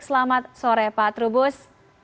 selamat sore pak trubus